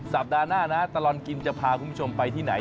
สัปดาห์หน้านะตลอดกินจะพาคุณผู้ชมไปที่ไหน